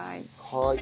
はい。